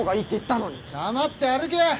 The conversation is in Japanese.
黙って歩け！